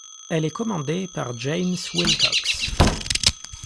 Elle est commandée par James Willcocks.